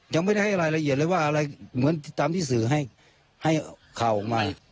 ยังไม่ได้ให้รายละเอียดเลยว่าอะไรเหมือนตามที่สื่อให้ข่าวออกมา